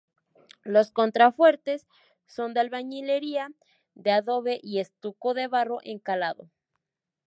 Los contrafuertes son de albañilería de adobe y estuco de barro encalado.